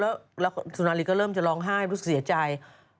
และสุนาลีก็เริ่มจะร้องไห้เหนือก็เสียใจ